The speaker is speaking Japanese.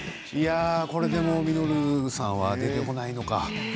これで稔さんは出てこないのか。